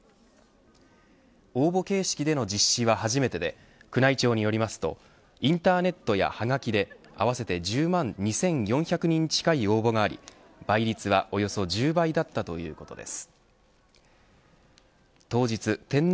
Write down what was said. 応募形式での実施は初めてで宮内庁によりますとインターネットやはがきで合わせて１０万２４００人近い応募があり倍率はおよそ１０倍だったということです。